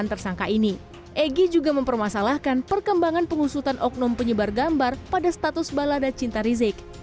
egy juga mempermasalahkan perkembangan pengusutan oknum penyebar gambar pada status balada cinta rizik